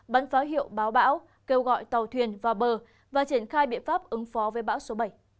bắn phá hiệu báo bão kêu gọi tàu thuyền vào bờ và triển khai biện pháp ứng phó với bão số bảy